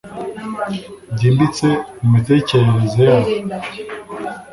byimbitse mumitekerereze yabo